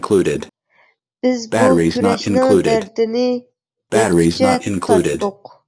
بىز بۇ كۈرەشنىڭ دەردىنى يەتكۈچە تارتتۇق.